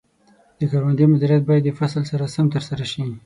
د کروندې مدیریت باید د فصل سره سم ترسره شي.